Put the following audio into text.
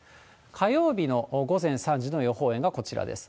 火曜日の午前３時の予報円がこちらです。